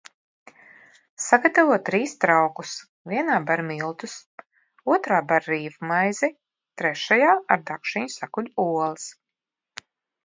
Sagatavo trīs traukus – vienā ber miltus, otrā ber rīvmaizi, trešajā ar dakšiņu sakuļ olas.